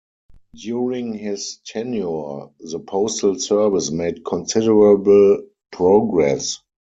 During his tenure the postal service made considerable progress.